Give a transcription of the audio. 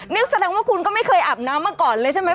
นี่แสดงว่าคุณก็ไม่เคยอาบน้ำมาก่อนเลยใช่ไหม